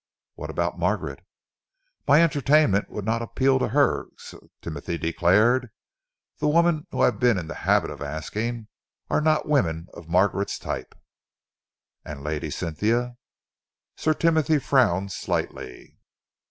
"What about Margaret?" "My entertainment would not appeal to her," Sir Timothy declared. "The women whom I have been in the habit of asking are not women of Margaret's type." "And Lady Cynthia?" Sir Timothy frowned slightly.